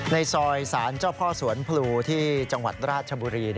ในซอยสารเจ้าพ่อสวนพลูที่จังหวัดราชบุรี